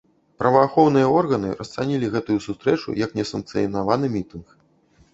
Праваахоўныя органы расцанілі гэтую сустрэчу як несанкцыянаваны мітынг.